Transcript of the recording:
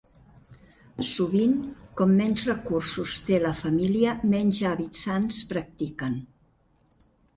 Sovint, com menys recursos té la família menys hàbits sans practiquen.